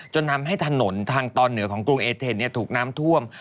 จนทำให้ถนนทางตอนเหนือของกรุงเอเทนถูกน้ำท่วม